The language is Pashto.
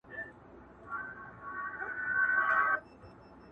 پر ښو تلوار، پر بدو ځنډ.